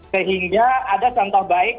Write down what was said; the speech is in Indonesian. sehingga ada contoh baik